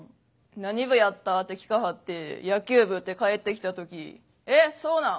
「何部やった？」って聞かはって「野球部」って返ってきた時「えそうなん？